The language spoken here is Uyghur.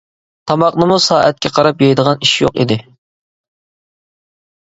تاماقنىمۇ سائەتكە قاراپ يەيدىغان ئىش يوق ئىدى.